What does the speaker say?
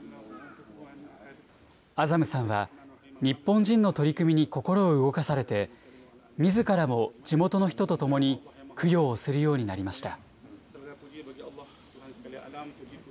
アザムさんは日本人の取り組みに心を動かされて、みずからも地元の人と共に供養をするようになりました。